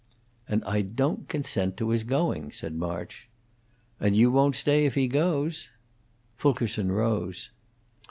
"And I don't consent to his going," said March. "And you won't stay if he goes." Fulkerson rose.